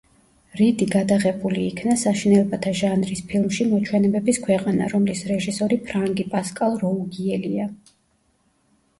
რიდი გადაღებული იქნა საშინელებათა ჟანრის ფილმში „მოჩვენებების ქვეყანა“, რომლის რეჟისორი ფრანგი, პასკალ როუგიელია.